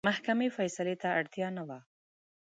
محکمې فیصلې ته اړتیا نه وه.